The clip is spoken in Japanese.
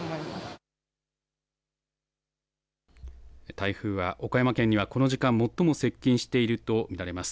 台風は岡山県にはこの時間、最も接近していると見られます。